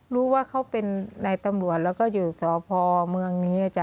รู้ว่าเขาเป็นนายตำรวจแล้วก็อยู่สพเมืองนี้